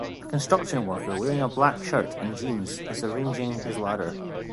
A construction worker wearing a black shirt and jeans is arranging his ladder.